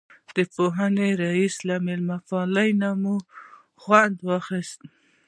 د پوهنې رئیس له مېلمه پالنې مو خوند واخیست.